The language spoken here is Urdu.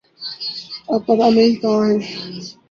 اب پتہ نہیں کہاں ہیں۔